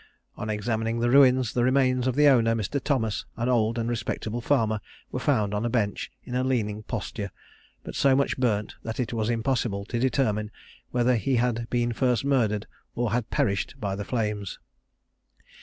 On examining the ruins the remains of the owner, Mr. Thomas, an old and respectable farmer, were found on a bench in a leaning posture, but so much burnt that it was impossible to determine whether he had been first murdered, or had perished by the flames.